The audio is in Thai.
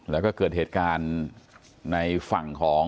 แล้วก็เกิดเหตุการณ์ในฝั่งของ